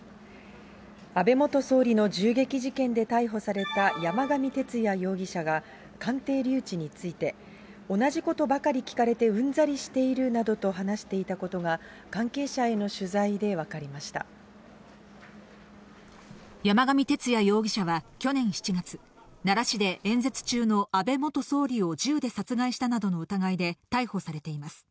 安倍元総理の銃撃事件で逮捕された、山上徹也容疑者が、鑑定留置について、同じことばかり聞かれてうんざりしているなどと話していたことが、山上徹也容疑者は去年７月、奈良市で演説中の安倍元総理を銃で殺害したなどの疑いで逮捕されています。